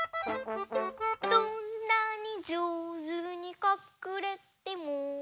「どんなにじょうずにかくれても」